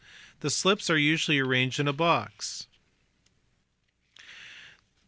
The slips are usually arranged in a box.